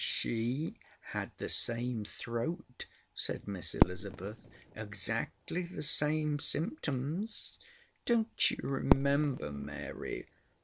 "She had the same throat," said Miss Elizabeth. "Exactly the same symptoms. Don't you remember, Mary?"